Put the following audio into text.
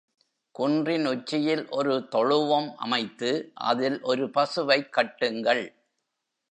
குன்றின் உச்சியில் ஒரு தொழுவம் அமைத்து அதில் ஒரு பசுவைக் கட்டுங்கள்.